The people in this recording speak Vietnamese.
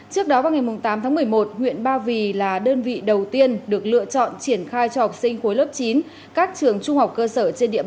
trước đó vào ngày tám tháng một mươi một huyện ba vì là đơn vị đầu tiên được lựa chọn triển khai cho học sinh khối lớp chín các trường trung học cơ sở trên địa bàn trở lại trường học trực tiếp